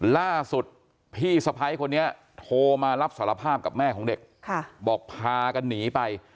ล่าสุดพี่สะพ้ายคนนี้โทรมารับสารภาพกับแม่ของเด็กบอกพากันหนีไป